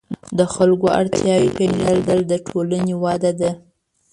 د خلکو اړتیاوې پېژندل د ټولنې وده ده.